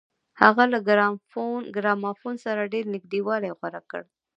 هغه له ګرامافون سره ډېر نږدېوالی غوره کړ.